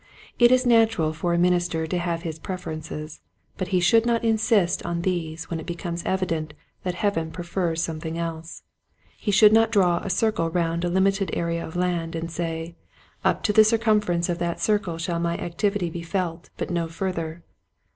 It is natural for a minister to have his preferences, but he should not insist on these when it becomes evident that Heaven prefers something else. He should not draw a circle round a limited area of land and say, "Up to the circumfer ence of that circle shall my activity be felt 26 Quiet Hints to Growing Preachers. but no further."